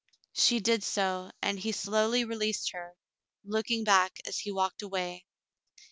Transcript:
She did so, and he slowly released her, looking back as he walked away.